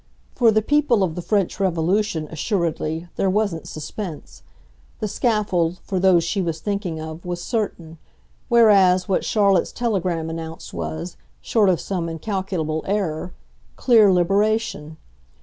For the people of the French Revolution, assuredly, there wasn't suspense; the scaffold, for those she was thinking of, was certain whereas what Charlotte's telegram announced was, short of some incalculable error, clear liberation.